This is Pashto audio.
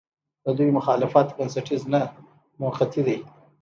د دوی مخالفت بنسټیز نه، موقعتي دی.